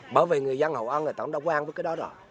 bởi vì người dân hội an người ta cũng đã quen với cái đó rồi